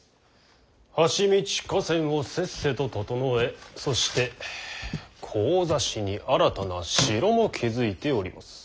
橋道河川をせっせと整えそして神指に新たな城も築いております。